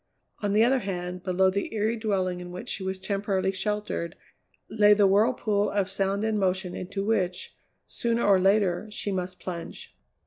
On the other hand, below the eyrie dwelling in which she was temporarily sheltered, lay the whirlpool of sound and motion into which, sooner or later, she must plunge.